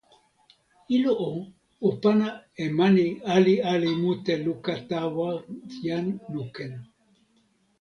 ilo o, o pana e mani ali ali mute luka tawa jan Nuken.